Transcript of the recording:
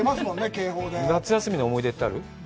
警報で夏休みの思い出ってある？